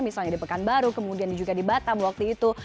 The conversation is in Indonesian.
misalnya di pekanbaru kemudian juga di batam waktu itu